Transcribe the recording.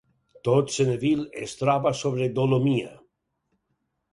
Tot Senneville es troba sobre dolomia.